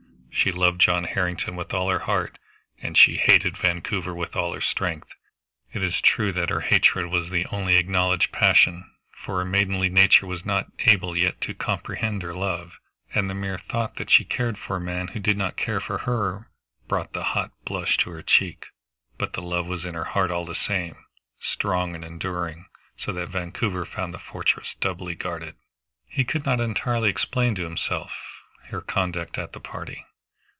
She loved John Harrington with all her heart, and she hated Vancouver with all her strength. It is true that her hatred was the only acknowledged passion, for her maidenly nature was not able yet to comprehend her love; and the mere thought that she cared for a man who did not care for her brought the hot blush to her cheek. But the love was in her heart all the same, strong and enduring, so that Vancouver found the fortress doubly guarded. He could not entirely explain to himself her conduct at the party.